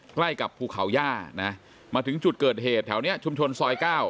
ใกล้กับภูเขาย่านะมาถึงจุดเกิดเหตุแถวนี้ชุมชนซอย๙